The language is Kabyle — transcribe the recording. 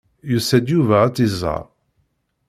Yusa-d Yuba ad tt-iẓer.